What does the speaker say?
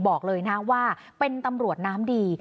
บอกเลยนะว่าเป็นตำรวจน้ำดี